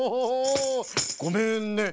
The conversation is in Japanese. ごめんね。